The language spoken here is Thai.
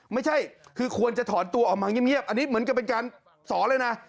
ไม่ใช่คือควรจะถอนตัวออกมาเงียบอันนี้เหมือนกับเป็นการสอนเลยนะ